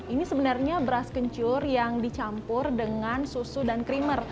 ini sebenarnya beras kencur yang dicampur dengan susu dan krimer